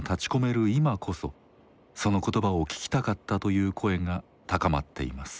今こそその言葉を聞きたかったという声が高まっています。